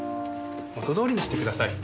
元どおりにしてください。